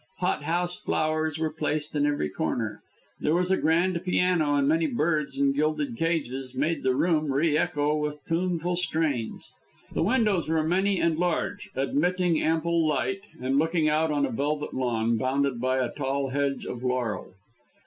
Hothouse flowers were placed in every corner, there was a grand piano, and many birds in gilded cages made the room re echo with tuneful strains. The windows were many and large, admitting ample light, and looking out on to a velvet lawn bounded by a tall hedge of laurel.